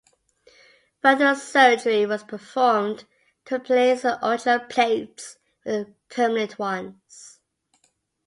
Further surgery was performed to replace the original plates with permanent ones.